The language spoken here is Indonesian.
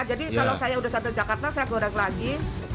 jadi kalau saya sudah sampai jakarta saya goreng lagi